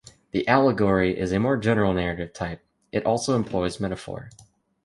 The allegory is a more general narrative type; it also employs metaphor.